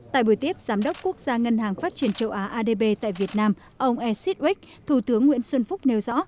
tại buổi tiếp giám đốc quốc gia ngân hàng phát triển châu á adb tại việt nam ông e sittwick thủ tướng nguyễn xuân phúc nêu rõ